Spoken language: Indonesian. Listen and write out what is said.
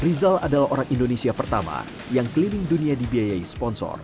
rizal adalah orang indonesia pertama yang keliling dunia dibiayai sponsor